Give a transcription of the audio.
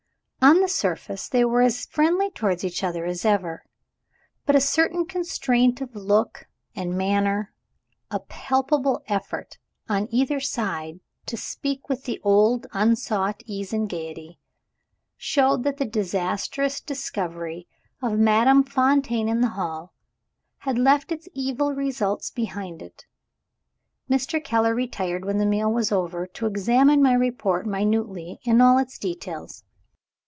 On the surface they were as friendly towards each other as ever. But a certain constraint of look and manner, a palpable effort, on either side, to speak with the old unsought ease and gaiety, showed that the disastrous discovery of Madame Fontaine in the hall had left its evil results behind it. Mr. Keller retired, when the meal was over, to examine my report minutely in all its details.